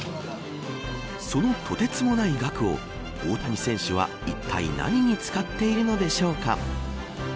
そのとてつもない額を大谷選手は、いったい何に使っているのでしょうか。